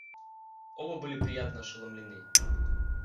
Оба были приятно ошеломлены.